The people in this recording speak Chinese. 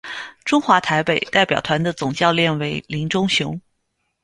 中华台北代表团的总教练为林忠雄。